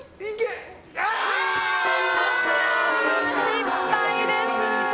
失敗です。